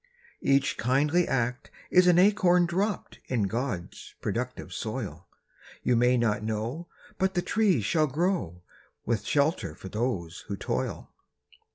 Each kindly act is an acorn dropped In God's productive soil. You may not know, but the tree shall grow, With shelter for those who toil.